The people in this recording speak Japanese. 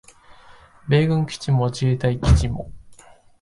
米軍基地も自衛隊基地も